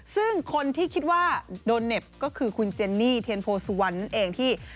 ซึ่งคนที่คิดว่าโดนเหน็บก็คือคุณเจนนี่เทียนโพสุวรรณนั่นเองที่